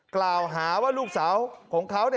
กล่าวหาว่าลูกสาวของเขา